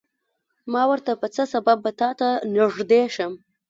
ما ورته په څه سبب به تاته نږدې شم.